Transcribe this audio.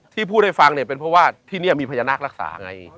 ที่พูดให้ฟังเนี่ยเป็นเพราะว่าที่นี่มีพญานาครักษาไง